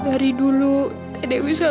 dari dulu teh teh bisa lupa baik dan selamat